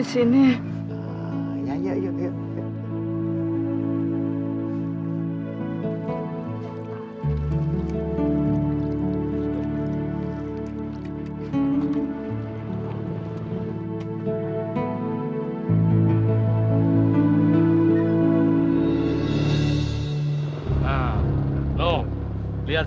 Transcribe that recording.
ini bunga yang kita incer kemarin